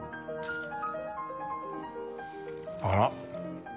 あら！